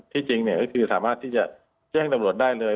ที่จริงคือสามารถที่จะแจ้งตำรวจได้เลย